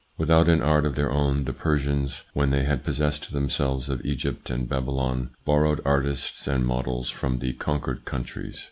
Without an art of their own, the Persians, when they had possessed themselves of Egypt and Babylon, borrowed artists and models from the conquered countries.